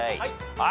はい。